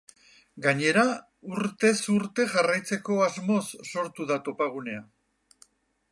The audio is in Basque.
Gainera, urtez urte jarraitzeko asmoz sortu da topagunea.